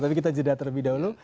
tapi kita jeda terlebih dahulu